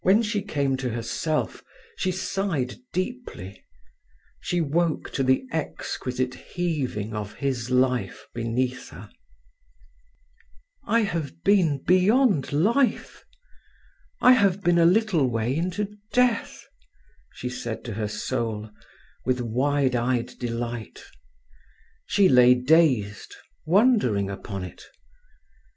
When she came to herself she sighed deeply. She woke to the exquisite heaving of his life beneath her. "I have been beyond life. I have been a little way into death!" she said to her soul, with wide eyed delight. She lay dazed, wondering upon it.